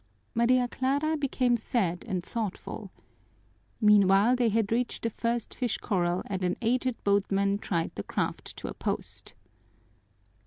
Maria Clara became sad and thoughtful. Meanwhile, they had reached the first fish corral and an aged boatman tied the craft to a post.